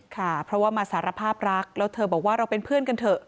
ค่ะเพราะว่ามาสารภาพรักแล้วเธอบอกว่าเราเป็นเพื่อนกันเถอะ